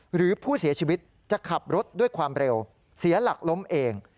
หรือผู้เสียชีวิตจะขับรถด้วยความเร็วเสียหลักล้มเอง